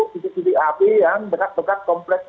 titik titik api yang dekat dekat kompleks